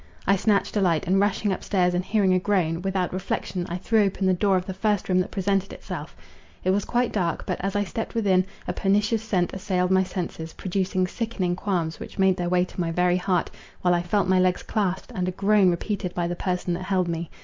I snatched a light, and rushing up stairs, and hearing a groan, without reflection I threw open the door of the first room that presented itself. It was quite dark; but, as I stept within, a pernicious scent assailed my senses, producing sickening qualms, which made their way to my very heart, while I felt my leg clasped, and a groan repeated by the person that held me.